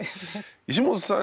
石本さん